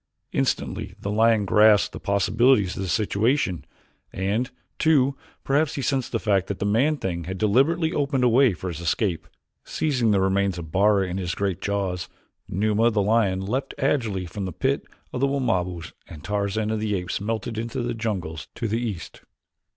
Instantly the lion grasped the possibilities of the situation, and, too, perhaps he sensed the fact that the man thing had deliberately opened a way for his escape. Seizing the remains of Bara in his great jaws, Numa, the lion, leaped agilely from the pit of the Wamabos and Tarzan of the Apes melted into the jungles to the east.